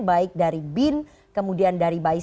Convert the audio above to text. baik dari bin kemudian dari bais